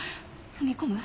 踏み込む？